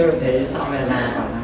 chứ thế sau này là